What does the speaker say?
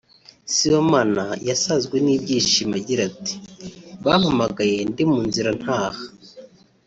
Sibomana yasazwe n’ibyishimo agira ati “Bampamagaye ndi mu nzira ntaha